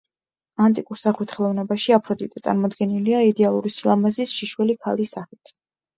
ანტიკურ სახვით ხელოვნებაში აფროდიტე წარმოდგენილია იდეალური სილამაზის შიშველი ქალის სახით.